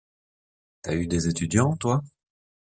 T'as eu des étudiants toi?